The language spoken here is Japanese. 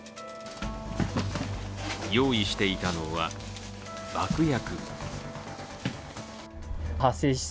用意していたのは爆薬。